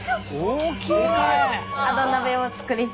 大きいね！